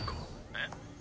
えっ？